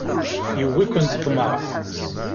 Yewwi-ken ṭṭmeɛ.